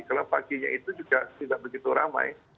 karena paginya itu juga tidak begitu ramai